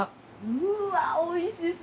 うわおいしそう。